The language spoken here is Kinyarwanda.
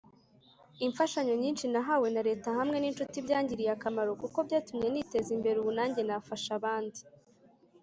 imfashanyo nyinshi nahawe na leta hamwe n incuti byangiriye akamaro kuko byatumye niteza imbere ubunanjye nafasha abandi.